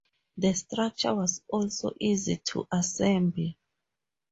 The structure was also easy to assemble.